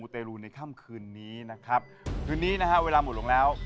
ที่วันนี้นะครับเวลาหมดลงแล้ว